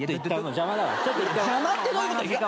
邪魔ってどういうこと！？